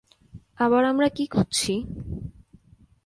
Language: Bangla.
আবার আমরা কী খুঁজছি?